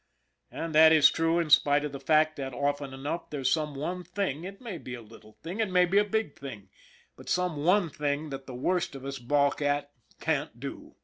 And that is true in spite of the fact that, often enough, there's some one thing, it may be a little thing, it may be a big thing, but some one thing that the worst of us balk at, can't do.